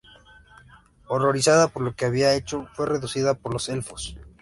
Horrorizada por lo que había hecho fue reducida por los elfos.